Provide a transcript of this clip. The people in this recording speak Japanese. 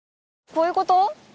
こういうこと？